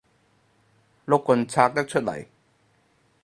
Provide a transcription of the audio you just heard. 碌棍拆得出嚟